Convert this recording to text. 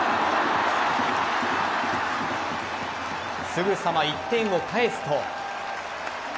すぐさま１点を返すと。